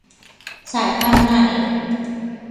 สายพันธุ์ใหม่